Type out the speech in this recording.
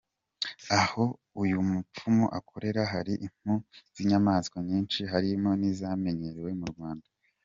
Aho uyu mupfumu akorera, hari impu z'inyamaswa nyinshi harimo n'izitamenyerewe mu Rwanda.